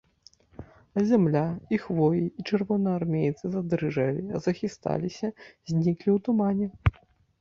А зямля, і хвоі, і чырвонаармейцы задрыжэлі, захісталіся, зніклі ў тумане.